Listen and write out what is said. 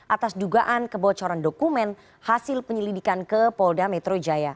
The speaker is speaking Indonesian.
atas dugaan kebocoran dokumen hasil penyelidikan ke polda metro jaya